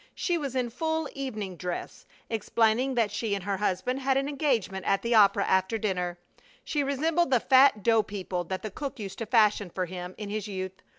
She was in full evening dress, explaining that she and her husband had an engagement at the opera after dinner. She resembled the fat dough people that the cook used to fashion for him in his youth.